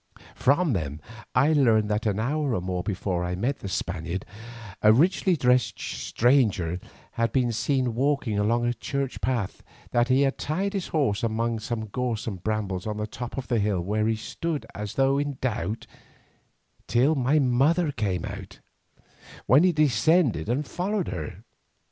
From them I learned that an hour or more before I met the Spaniard, a richly dressed stranger had been seen walking along the church path, and that he had tied his horse among some gorse and brambles on the top of the hill, where he stood as though in doubt, till my mother came out, when he descended and followed her.